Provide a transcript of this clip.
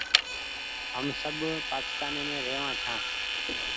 هم سب پآڪيستاني مينٚ رهوآن ڇآن